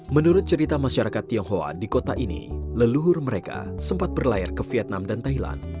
menurut cerita masyarakat tionghoa di kota ini leluhur mereka sempat berlayar ke vietnam dan thailand